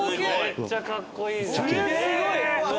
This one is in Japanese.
めっちゃかっこいいですね。